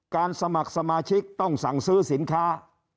สมัครสมาชิกต้องสั่งซื้อสินค้า